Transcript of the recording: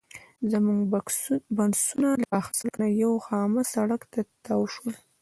زموږ بسونه له پاخه سړک نه یوه خامه سړک ته تاو شول.